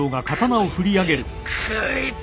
こいつ！